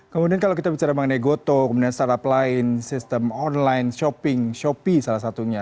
kemudian kalau kita bicara mengenai goto kemudian startup lain sistem online shopping shopee salah satunya